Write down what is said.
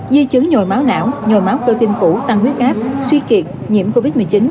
di chứng nhồi máu não nhồi máu cơ tim cũ tăng huyết áp suy kiệt nhiễm covid một mươi chín